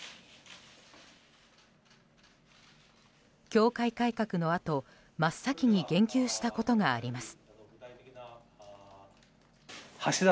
教会改革のあと、真っ先に言及したことがあります。